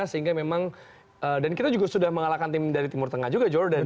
sehingga memang dan kita juga sudah mengalahkan tim dari timur tengah juga jordan